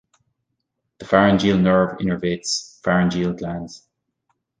The pharyngeal nerve innervates pharyngeal glands.